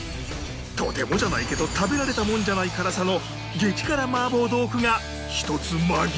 とてもじゃないけど食べられたもんじゃない辛さの激辛麻婆豆腐が１つ紛れています